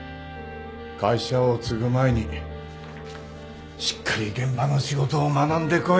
会社を継ぐ前にしっかり現場の仕事を学んでこい